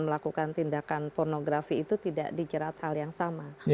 melakukan tindakan pornografi itu tidak dijerat hal yang sama